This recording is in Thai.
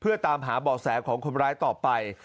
เพื่อตามหาเบาะแสของคนร้ายต่อไป